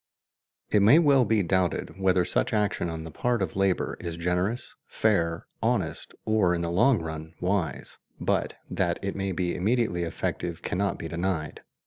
It may well be doubted whether such action on the part of labor is generous, fair, honest, or in the long run wise; but that it may be immediately effective cannot be denied.